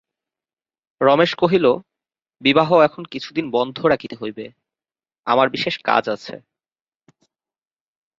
রমেশ কহিল, বিবাহ এখন কিছুদিন বন্ধ রাখিতে হইবে–আমার বিশেষ কাজ আছে।